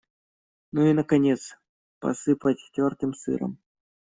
Ну и, наконец, посыпать тёртым сыром.